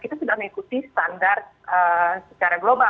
kita sudah mengikuti standar secara global